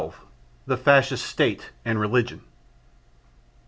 The Fascist State and Religion.